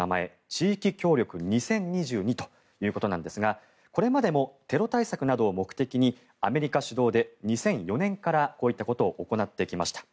地域協力２０２２ということなんですがこれまでもテロ対策などを目的にアメリカ主導で２００４年からこういったことを行ってきました。